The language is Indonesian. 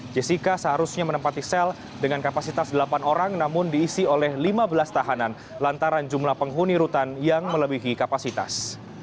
jessica seharusnya menempati sel dengan kapasitas delapan orang namun diisi oleh lima belas tahanan lantaran jumlah penghuni rutan yang melebihi kapasitas